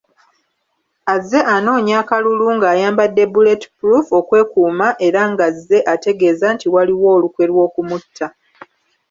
Azze anoonya akalulu ng’ayambadde “Bulletproof” okwekuuma era ng’azze ategeeza nti waliwo olukwe lw’okumutta.